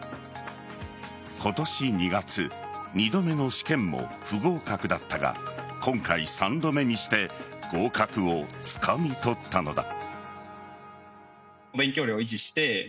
今年２月２度目の試験も不合格だったが今回３度目にして合格をつかみ取ったのだ。